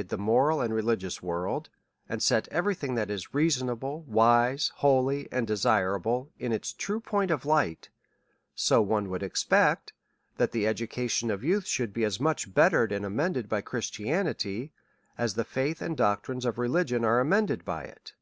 233 the moral and religious world, and set every thing that is reasonable, wise, holy, and desirable, in its true point of light ; so one would expect, that the educa tion of youth should be as much bettered and amend ed by Christianity, as the faith and doctrines of reli gion are amended by it.